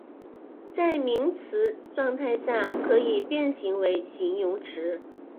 在名词状态下可以变形为形容词。